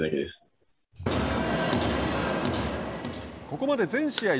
ここまで全試合